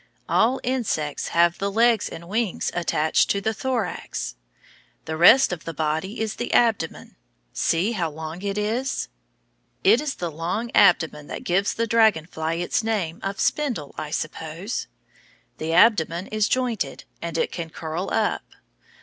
All insects have the legs and wings attached to the thorax. The rest of the body is the abdomen. See how long it is. It is the long abdomen that gives the dragon fly its name of spindle, I suppose. The abdomen is jointed, and it can curl up.